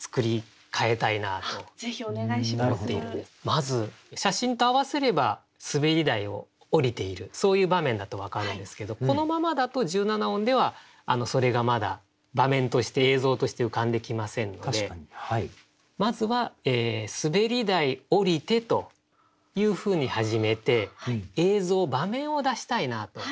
まず写真と合わせれば滑り台を降りているそういう場面だと分かるんですけどこのままだと１７音ではそれがまだ場面として映像として浮かんできませんのでまずは「滑り台降りて」というふうに始めて映像場面を出したいなと思うんですね。